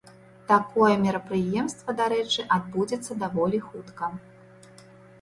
Такое мерапрыемства, дарэчы, адбудзецца даволі хутка.